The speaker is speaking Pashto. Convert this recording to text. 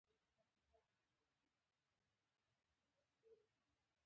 دا شورا د واکمنې کورنۍ تر نفوذ لاندې وه